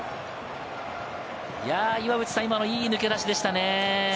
岩渕さん、今のいい抜け出しでしたね。